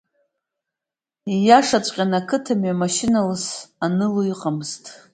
Ииашаҵәҟьаны, ақыҭа мҩа амашьына ласы аныло иҟамызт.